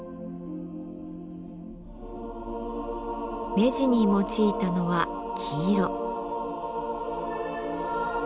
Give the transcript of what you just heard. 目地に用いたのは黄色。